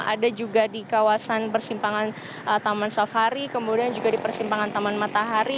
ada juga di kawasan persimpangan taman safari kemudian juga di persimpangan taman matahari